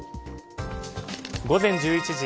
午前１１時。